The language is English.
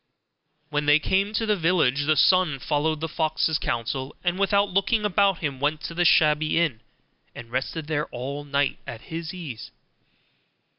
When they came to the village, the son followed the fox's counsel, and without looking about him went to the shabby inn and rested there all night at his ease.